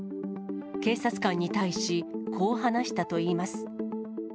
警察官に対し、こう話したといいます。